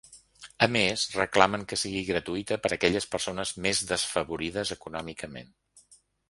A més, reclamen que sigui gratuïta per aquelles persones més desfavorides econòmicament.